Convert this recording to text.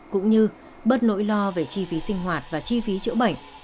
cũng như bớt nỗi lo về chi phí sinh hoạt và chi phí chữa bệnh